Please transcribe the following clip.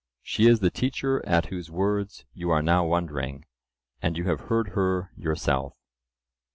She is the teacher at whose words you are now wondering, and you have heard her yourself.